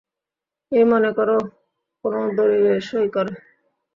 এই মনে করো, কোনো দলিলে সই করে।